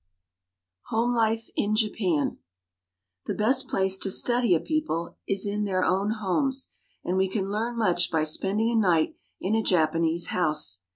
HOME LIFE IN JAPAN THE best place to study a people is in their own homes, and we can learn much by spending a night in a Japanese house.